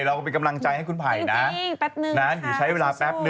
เราเป็นกำลังใจให้คุณไผ่นะ